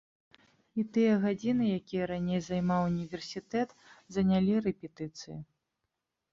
І тыя гадзіны, якія раней займаў універсітэт, занялі рэпетыцыі.